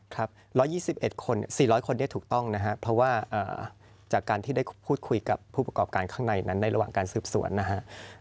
ครับ๑๒๑คน๔๐๐คนได้ถูกต้องนะครับเพราะว่าจากการที่ได้พูดคุยกับผู้ประกอบการข้างในนั้นในระหว่างการสืบสวนนะฮะ